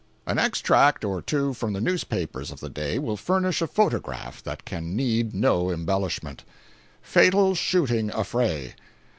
An extract or two from the newspapers of the day will furnish a photograph that can need no embellishment: FATAL SHOOTING AFFRAY.